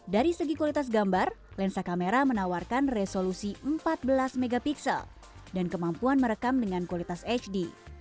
dari segi kualitas gambar lensa kamera menawarkan resolusi empat belas mp dan kemampuan merekam dengan kualitas hd